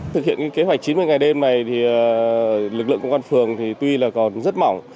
thực hiện kế hoạch chín mươi ngày đêm này thì lực lượng công an phường thì tuy là còn rất mỏng